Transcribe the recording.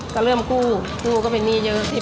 ก็เริ่มกู้กู้ก็เป็นหนี้เยอะ